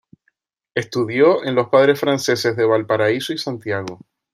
Estudió en los Padres Franceses de Valparaíso y Santiago.